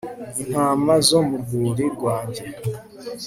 intama zo mu rwuri rwanjye